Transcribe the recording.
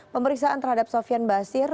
pemeriksaan terhadap sofian basir